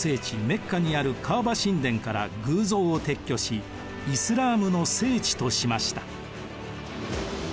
メッカにあるカーバ神殿から偶像を撤去しイスラームの聖地としました。